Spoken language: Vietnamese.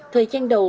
thời gian đầu